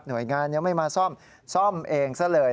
โดยงานยังไม่มาซ่อมซ่อมเองซะเลย